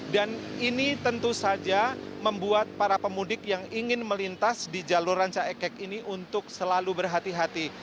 dan ini tentu saja membuat para pemudik yang ingin melintas di jaluran cahek kek ini untuk selalu berhati hati